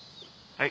はい。